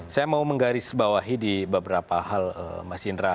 saya mau menggarisbawahi di beberapa hal mas indra